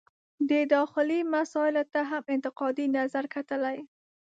د داخلي مسایلو ته هم انتقادي نظر کتلي.